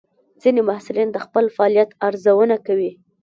ځینې محصلین د خپل فعالیت ارزونه کوي.